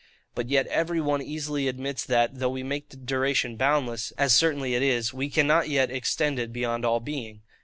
But yet every one easily admits, that, though we make duration boundless, as certainly it is, we cannot yet extend it beyond all being.